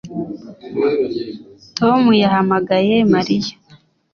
Tom yahamagaye Mariya